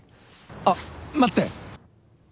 あっ待って！